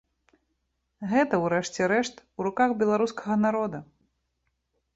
Гэта, у рэшце рэшт, у руках беларускага народа.